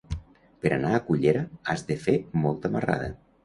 Per anar a Cullera has de fer molta marrada.